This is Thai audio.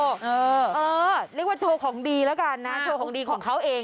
เรียกว่าโชว์ของดีแล้วกันนะโชว์ของดีของเขาเอง